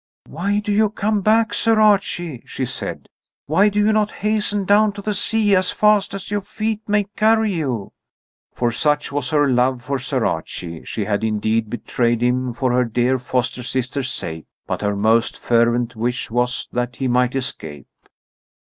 "Why do you come back, Sir Archie?" she said. "Why do you not hasten down to the sea as fast as your feet may carry you?" For such was her love for Sir Archie. She had indeed betrayed him for her dear foster sister's sake, but her most fervent wish was that he might escape.